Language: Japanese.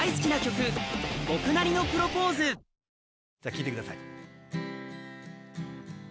聴いてください。